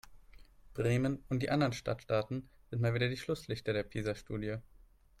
Bremen und die anderen Stadtstaaten sind mal wieder die Schlusslichter der PISA-Studie.